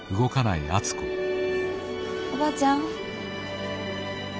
おばあちゃん。